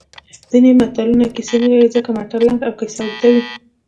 ځینې متلونه کیسې نه لري ځکه چې متل لنډ او کیسه اوږده وي